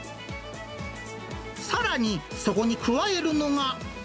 さらに、そこに加えるのが。